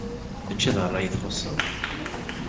Mačči d ṛṛay i txuṣṣeḍ.